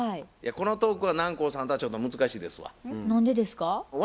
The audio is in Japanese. このトークは南光さんとはちょっと難しいですわ。